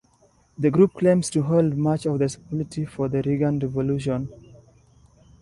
The group claims to hold much of the responsibility for the "Reagan Revolution".